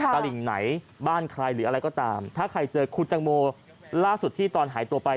ตลิ่งไหนบ้านใครหรืออะไรก็ตามถ้าใครเจอคุณตังโมล่าสุดที่ตอนหายตัวไป